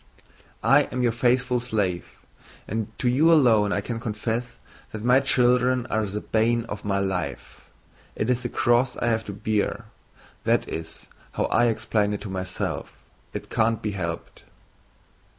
"I am your faithful slave and to you alone I can confess that my children are the bane of my life. It is the cross I have to bear. That is how I explain it to myself. It can't be helped!"